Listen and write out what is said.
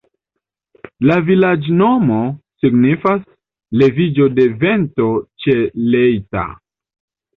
La vilaĝnomo signifas: leviĝo de vento ĉe Leitha.